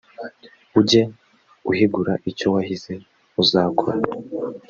ujye uhigura icyo wahize uzakora